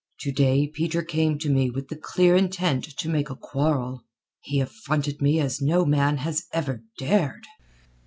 To day Peter came to me with the clear intent to make a quarrel. He affronted me as no man has ever dared."